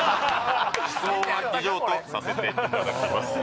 質問は以上とさせていただきます